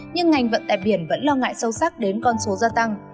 nhưng ngành vận tải biển vẫn lo ngại sâu sắc đến con số gia tăng